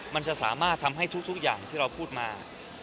มันจะสามารถทำให้ทุกอย่างที่เราพูดมา